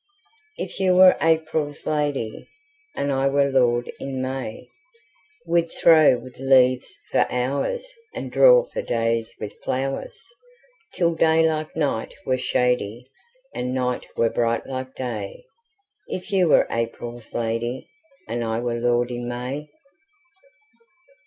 If you were April's lady, And I were lord in May, We'd throw with leaves for hoursAnd draw for days with flowers, Till day like night were shadyAnd night were bright like day; If you were April's lady, And I were lord in May.